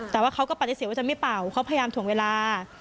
แต่ว่าเขาก็ปฏิเสธว่าจะไม่เป่าเขาพยายามถ่วงเวลา